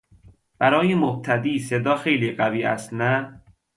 برای مبتدی صدا خیلی قوی است، نه؟